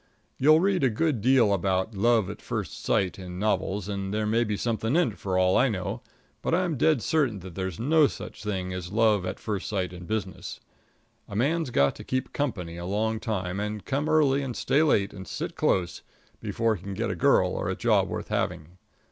You'll read a good deal about "love at first sight" in novels, and there may be something in it for all I know; but I'm dead certain there's no such thing as love at first sight in business. A man's got to keep company a long time, and come early and stay late and sit close, before he can get a girl or a job worth having.